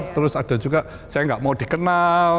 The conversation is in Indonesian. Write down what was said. terus ada juga saya nggak mau dikenal